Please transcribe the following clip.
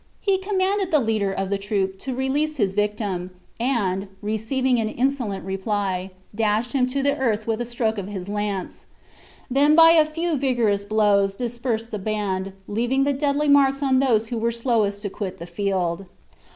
He commanded the leader of the troop to release his victim, and, receiving an insolent reply, dashed him to the earth with a stroke of his lance; then by a few vigorous blows dispersed the band, leaving deadly marks on those who were slowest to quit the field.